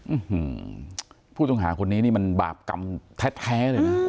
อืมผู้ต้องหาคนนี้นี่มันบาปกรรมแท้เลยนะ